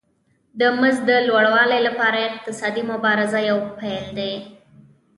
د مزد د لوړوالي لپاره اقتصادي مبارزه یو پیل دی